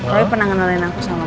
roy pernah ngenalin aku sama mereka